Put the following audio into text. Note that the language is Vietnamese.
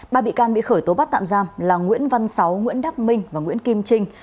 ba bị can bị khởi tố bắt tạm giam là nguyễn văn sáu nguyễn đắc minh và nguyễn kim trinh